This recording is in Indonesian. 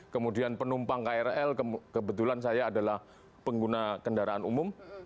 kemudian penumpang krl kebetulan saya adalah pengguna kendaraan umum